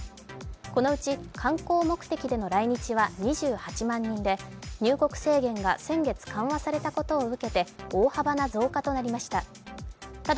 このうち観光目的での来日は２８万人で入国制限が先月、緩和されたことを受けて、大幅な増加となりました。